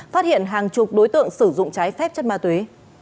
phát hiện hàng chục đối tượng sử dụng trái phép chất ma túy